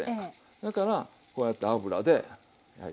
だからこうやって油ではい。